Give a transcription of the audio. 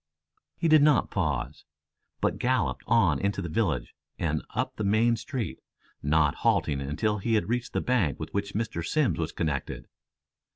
He did not pause, but galloped on into the village and up the main street, not halting until he had reached the bank with which Mr. Simms was connected.